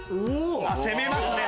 攻めますね